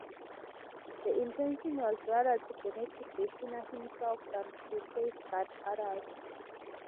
The intention was rather to benefit the sinner himself than to safeguard others.